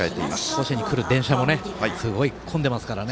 甲子園に来る電車もすごい混んでますからね